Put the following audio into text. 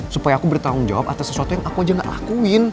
supaya aku bertanggung jawab atas sesuatu yang aku aja gak akuin